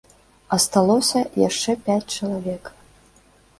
Асталося яшчэ пяць чалавек.